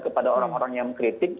kepada orang orang yang mengkritik